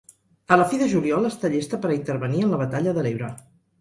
A la fi de juliol està llesta per a intervenir en la batalla de l'Ebre.